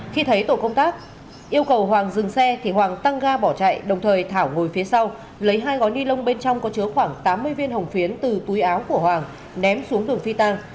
khi thấy tổ công tác yêu cầu hoàng dừng xe thì hoàng tăng ga bỏ chạy đồng thời thảo ngồi phía sau lấy hai gói ni lông bên trong có chứa khoảng tám mươi viên hồng phiến từ túi áo của hoàng ném xuống đường phi tăng